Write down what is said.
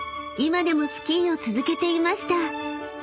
今でもスキーを続けていました］